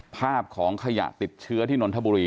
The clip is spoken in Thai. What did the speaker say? ภาพของขยะติดเชื้อที่นนทบุรี